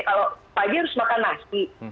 kalau pagi harus makan nasi